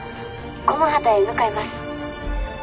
駒畠へ向かいます」。